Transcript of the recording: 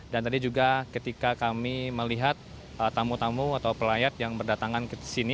dan tadi juga ketika kami melihat tamu tamu atau pelayat yang berdatangan ke sini